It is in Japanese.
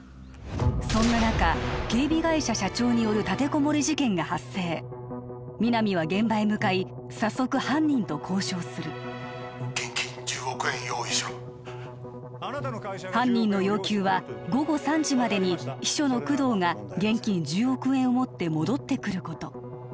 そんな中警備会社社長による立てこもり事件が発生皆実は現場へ向かい早速犯人と交渉する現金１０億円用意しろ犯人の要求は午後３時までに秘書の工藤が現金１０億円を持って戻ってくること